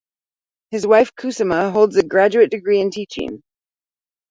His wife Kusama holds a graduate degree in teaching.